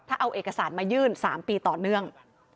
ถ้าเอาเอกสารมายื่น๓ปีต่อเนื่อง